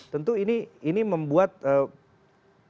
tentu ini membuat pertumbuhan